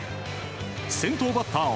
先頭バッターを。